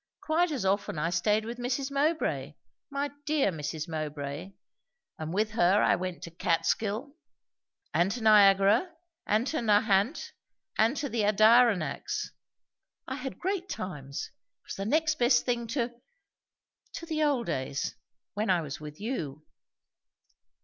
Quite as often I staid with Mrs. Mowbray my dear Mrs. Mowbray! and with her I went to Catskill, and to Niagara, and to Nahant, and to the Adirondacks. I had great times. It was the next best thing to to the old days, when I was with you."